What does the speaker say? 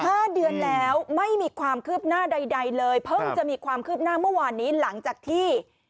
ห้าเดือนแล้วไม่มีความคืบหน้าใดใดเลยเพิ่งจะมีความคืบหน้าเมื่อวานนี้หลังจากที่